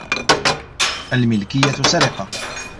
الملكية سرقة.